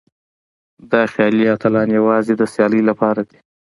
دا خيالي اتلان يوازې د سيالۍ لپاره دي.